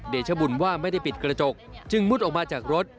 ชบุญว่าไม่ได้ปิดกระจกจึงมุดออกมาจากรถ